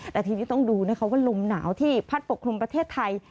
แต่ทีนี้ต้องดูนะคะว่าลมหนาวที่พัดปกคลุมประเทศไทย